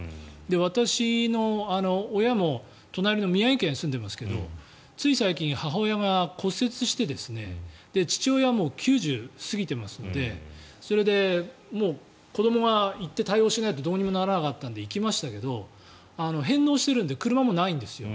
私の親も隣の宮城県に住んでいますがつい最近、母親が骨折して父親も９０過ぎていますのでそれで、もう子どもが行って対応しないとどうにもならなかったので行きましたけど返納しているんで車もないんですよ。